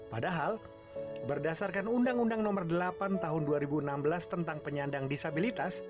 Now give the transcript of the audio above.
padahal berdasarkan undang undang nomor delapan tahun dua ribu enam belas tentang penyandang disabilitas